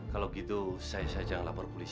kalau gitu saya saja yang lapor polisi